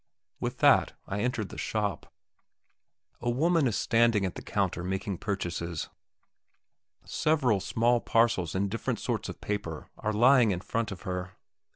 With that I entered the shop. A woman is standing at the counter making purchases; several small parcels in different sorts of paper are lying in front of her.